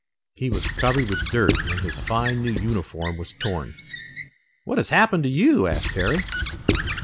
He was covered with dirt and his fine new uniform was torn. "What has happened to you?" asked Harry.